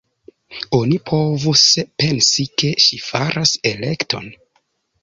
Oni povus pensi, ke ŝi faras elekton.